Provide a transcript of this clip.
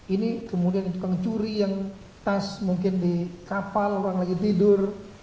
ini kemudian tukang curi yang tas mungkin di kapal orang lagi tidur